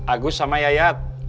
agus sama yayat